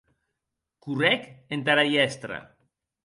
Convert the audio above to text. Correc entara hièstra.